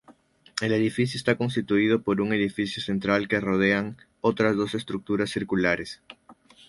El edificio está constituido por un edificio central que rodean otras dos estructuras circulares.